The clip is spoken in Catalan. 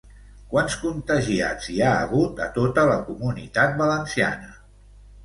Quants contagiats hi ha hagut a tota la Comunitat Valenciana?